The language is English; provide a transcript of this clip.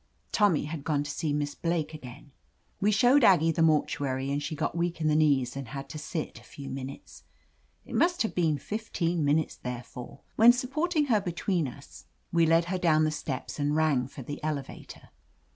Tommy had gone to see Miss Blake again. We showed Aggie the mortuary and she got weak in the knees and had to sit a few minutes. It must have been fifteen minutes, therefore, when supporting her between us, we led her down the steps and rang for the elevator.